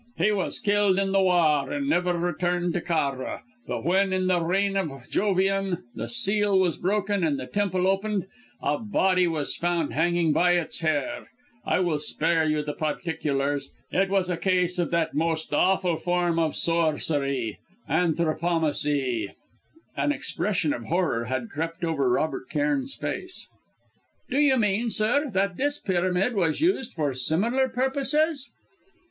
He was killed in the war, and never returned to Carra, but when, in the reign of Jovian, the seal was broken and the temple opened, a body was found hanging by its hair I will spare you the particulars; it was a case of that most awful form of sorcery anthropomancy!" An expression of horror had crept over Robert Cairn's face. "Do you mean, sir, that this pyramid was used for similar purposes?"